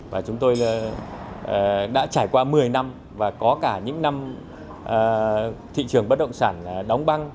và chúng tôi đã trải qua một mươi năm và có cả những năm thị trường bất động sản đóng băng